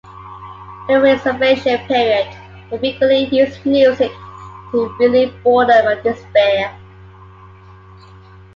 During the reservation period, they frequently used music to relieve boredom and despair.